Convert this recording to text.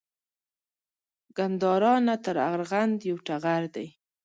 ګندارا نه تر ارغند یو ټغر دی